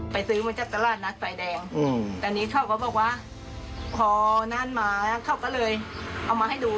ซื้อมาจากตลาดนัดไฟแดงตอนนี้เขาก็บอกว่าพอนั่นมาเขาก็เลยเอามาให้ดู